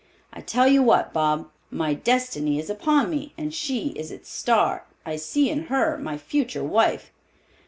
I tell you what, Bob, my destiny is upon me and she is its star. I see in her my future wife."